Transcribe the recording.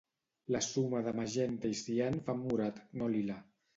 La suma de magenta i cian fan morat, no lila.